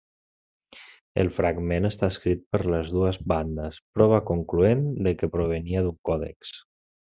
El fragment està escrit per les dues bandes, prova concloent que provenia d'un còdex.